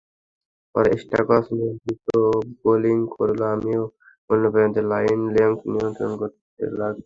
পরে স্টোকস নিয়ন্ত্রিত বোলিং করল, আমিও অন্য প্রান্তে লাইন-লেংথ নিয়ন্ত্রণ করতে লাগলাম।